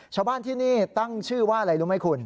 ชาวบ้านที่นี่ตั้งชื่อว่าอะไรรู้ไหมคุณ